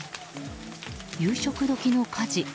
夕食時の火事。